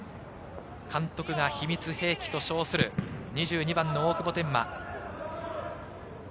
監督が秘密兵器と称する２２番・大久保天満。